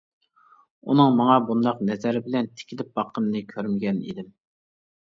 ئۇنىڭ ماڭا بۇنداق نەزەر بىلەن تىكىلىپ باققىنىنى كۆرمىگەن ئىدىم.